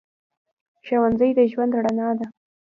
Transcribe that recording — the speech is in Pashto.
ښوونځی د ژوند رڼا ده